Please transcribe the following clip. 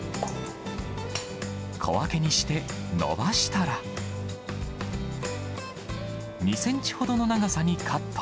小分けにして伸ばしたら、２センチほどの長さにカット。